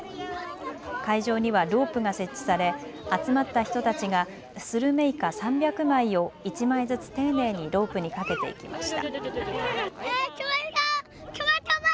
会場にはロープが設置され集まった人たちがスルメイカ３００枚を１枚ずつ丁寧にロープにかけていきました。